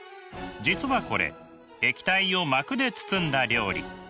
実はこれ液体を膜で包んだ料理。